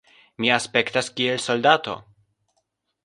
Mi aspektas kiel soldato.